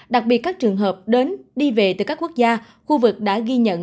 đặc biệt các trường hợp đến đi về từ các quốc gia khu vực đã ghi nhận